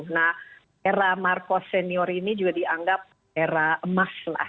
nah era marcos senior ini juga dianggap era emas lah